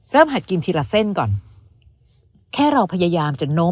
หัดกินทีละเส้นก่อนแค่เราพยายามจะโน้ม